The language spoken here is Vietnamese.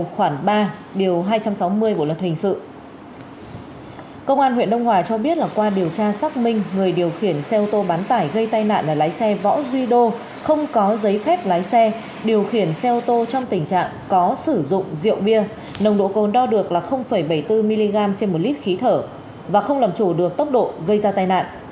công an huyện đông hòa cho biết là qua điều tra xác minh người điều khiển xe ô tô bán tải gây tai nạn là lái xe võ duy đô không có giấy phép lái xe điều khiển xe ô tô trong tình trạng có sử dụng rượu bia nồng độ cồn đo được là bảy mươi bốn mg trên một lít khí thở và không làm chủ được tốc độ gây ra tai nạn